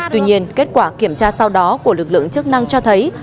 tuy nhiên kết quả kiểm tra sau đó của lực lượng chức năng cho thấy